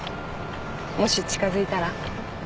もし近づいたら？